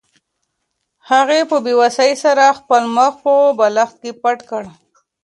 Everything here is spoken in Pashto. هغې په بې وسۍ سره خپل مخ په بالښت کې پټ کړ.